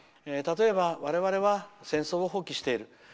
例えば我々は戦争を放棄している。